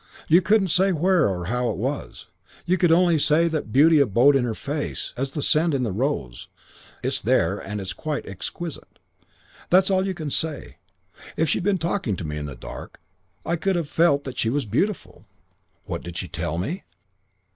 You couldn't say where it was or how it was. You could only say that beauty abode in her face as the scent in the rose. It's there and it's exquisite: that's all you can say. If she'd been talking to me in the dark I could have felt that she was beautiful. "What did she tell me?